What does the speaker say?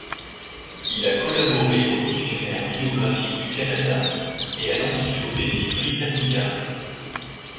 Il a collaboré au Dictionnaire biographique du Canada et à l'Encyclopédie Britannica.